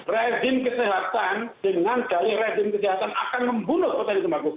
rezim kesehatan dengan dari rezim kesehatan akan membunuh potensi tembaku